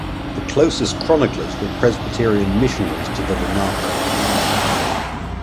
The closest chroniclers were Presbyterian missionaries to the Lenape.